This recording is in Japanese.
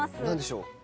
何でしょう？